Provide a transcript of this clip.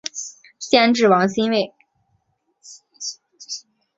监制王心慰。